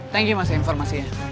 thank you mas informasinya